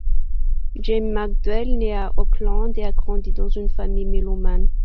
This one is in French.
Jamie McDell est née à Auckland et a grandi dans une famille mélomane.